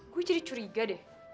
gue jadi curiga deh